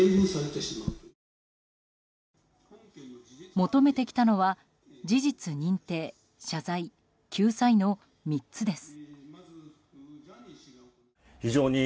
求めてきたのは事実認定、謝罪救済の３つです。